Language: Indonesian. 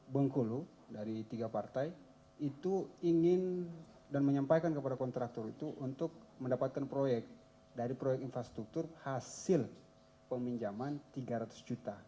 bengkulu dari tiga partai itu ingin dan menyampaikan kepada kontraktor itu untuk mendapatkan proyek dari proyek infrastruktur hasil peminjaman tiga ratus juta